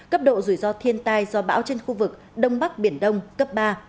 cấp độ rủi ro thiên tai do bão trên khu vực đông bắc biển đông cấp ba